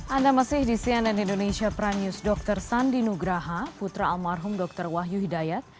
anda masih di cnn indonesia prime news dr sandi nugraha putra almarhum dr wahyu hidayat